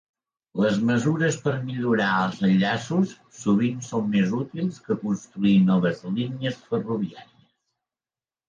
Les mesures per millorar els enllaços sovint són més útils que construir noves línies ferroviàries.